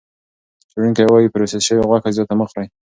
څېړونکي وايي پروسس شوې غوښه زیاته مه خورئ.